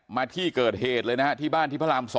มาที่เกิดเหตุเลยนะฮะที่บ้านที่พระราม๒